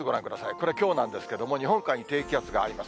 これはきょうなんですけれども、日本海に低気圧があります。